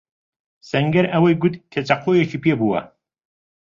سەنگەر ئەوەی گوت کە چەقۆیەکی پێبووە.